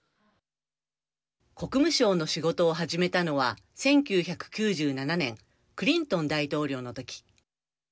国務省の仕事を始めたのは１９９７年クリントン大統領のとき。